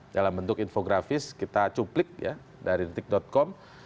dalam bentuk infografis kita cuplik ya dari detik com